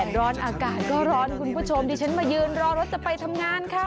ร้อนอากาศก็ร้อนคุณผู้ชมดิฉันมายืนรอรถจะไปทำงานค่ะ